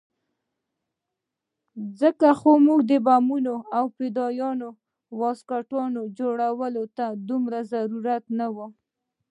ځکه خو د بمانو او فدايي واسکټونو جوړولو ته دومره ضرورت نه وو.